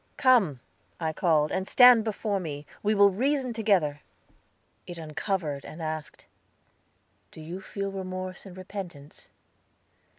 "Come," I called, "and stand before me; we will reason together." It uncovered, and asked: "Do you feel remorse and repentance?"